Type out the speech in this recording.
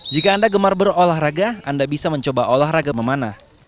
jika anda gemar berolahraga anda bisa mencoba olahraga memanah